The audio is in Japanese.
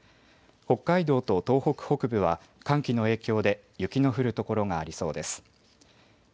北海道と東北北部は寒気の影響で雪の降る所がありそうです。